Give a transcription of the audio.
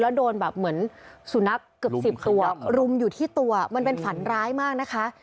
แล้วโดนแบบเหมือนสุนัขเกือบ๑๐ตัวรุมอยู่ที่ตัวมันเป็นฝันร้ายมากนะคะ